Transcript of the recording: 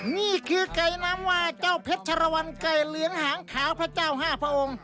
นี่คือไก่น้ำว่าเจ้าเพชรชรวรรณไก่เหลืองหางขาวพระเจ้าห้าพระองค์